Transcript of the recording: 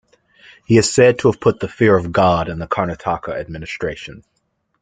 He is said to have put the fear of god in the Karnataka administration.